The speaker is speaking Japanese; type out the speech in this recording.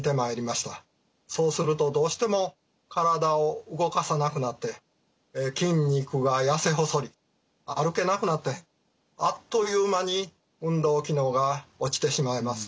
そうするとどうしても体を動かさなくなって筋肉が痩せ細り歩けなくなってあっという間に運動機能が落ちてしまいます。